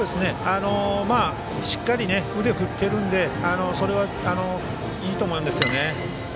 しっかり腕を振っているのでそれはいいと思うんですよね。